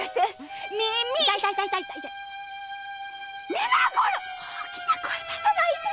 皆殺し⁉大きな声出さないで！